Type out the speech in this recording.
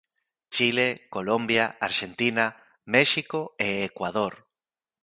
Chile, Colombia, Arxentina, México e Ecuador.